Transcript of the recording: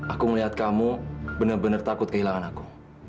aku melihat kamu bener bener takut kehilangan aku